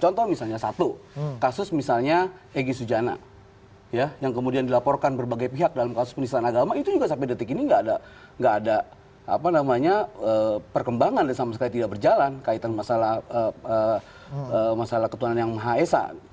contoh misalnya satu kasus misalnya egy sujana yang kemudian dilaporkan berbagai pihak dalam kasus penistaan agama itu juga sampai detik ini nggak ada perkembangan dan sama sekali tidak berjalan kaitan masalah ketuhanan yang maha esa